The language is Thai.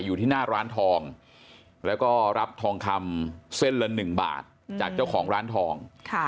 อยู่ที่หน้าร้านทองแล้วก็รับทองคำเส้นละ๑บาทจากเจ้าของร้านทอง